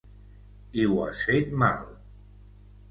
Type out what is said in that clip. I ho has fet mal!